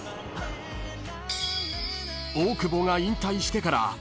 ［大久保が引退してから］